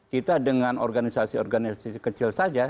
kita dengan organisasi organisasi kecil saja